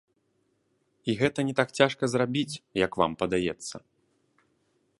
І гэта не так цяжка зрабіць, як вам падаецца.